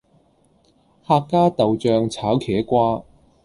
客家豆酱炒茄瓜